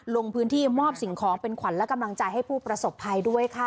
ลงพื้นที่มอบสิ่งของเป็นขวัญและกำลังใจให้ผู้ประสบภัยด้วยค่ะ